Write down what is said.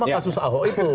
beda sama kasus ahok itu